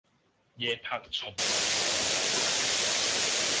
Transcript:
夜泊秦淮近酒家